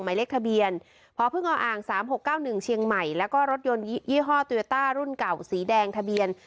หมายเลขทะเบียนพอพึ่งอ่างสามหกเก้าหนึ่งเชียงใหม่แล้วก็รถยนต์ยี่ห้อตูยาต้ารุ่นเก่าสีแดงทะเบียน